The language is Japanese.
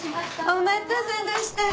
お待たせでした。